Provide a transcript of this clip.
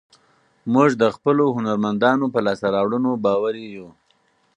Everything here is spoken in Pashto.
موږ د خپلو هنرمندانو په لاسته راوړنو باوري یو.